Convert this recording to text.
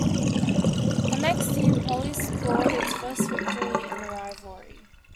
The next year Poly scored its first victory in the rivalry.